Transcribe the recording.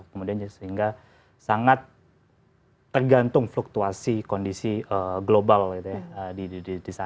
kemudian sehingga sangat tergantung fluktuasi kondisi global gitu ya